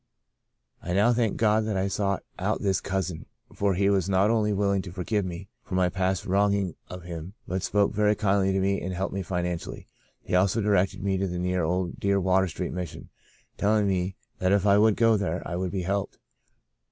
I now thank God that I sought out this cousin, for he was not only willing to forgive me for my past wronging of him but spoke very kindly to me and helped me financially. He also directed me to the dear old Water Street Mission, telling me that if I would go there I would be helped.